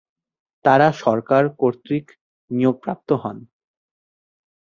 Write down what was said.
তারা সরকার কর্তৃক নিয়োগপ্রাপ্ত হন।